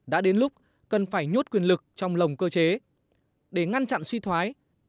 đã đến lúc cần phải nhốt quyền lực trong lồng cơ chế để ngăn chặn suy thoái